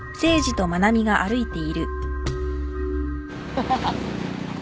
ハハハ。